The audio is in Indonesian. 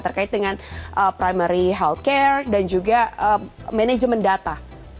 terkait dengan primary health care dan juga management data